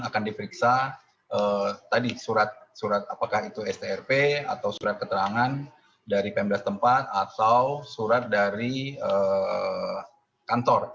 akan diperiksa tadi surat surat apakah itu strp atau surat keterangan dari pemdas tempat atau surat dari kantor